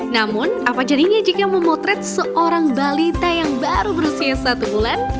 namun apa jadinya jika memotret seorang balita yang baru berusia satu bulan